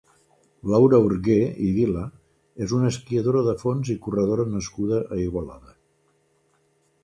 Laura Orgué i Vila és una esquiadora de fons i corredora nascuda a Igualada.